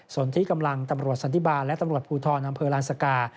ส่วนที่กำลังตำรวจสันติบาลและตำรวจภูทรอำเภอลานสกา